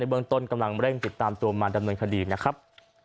เบื้องต้นกำลังเร่งติดตามตัวมาดำเนินคดีนะครับ